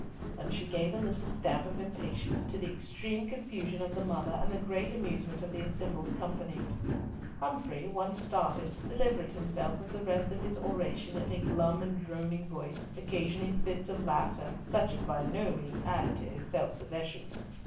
and she gave a little stamp of impatience, to the extreme confusion of the mother and the great amusement of the assembled company. Humfrey, once started, delivered himself of the rest of his oration in a glum and droning voice, occasioning fits of laughter, such as by no means added to his self possession.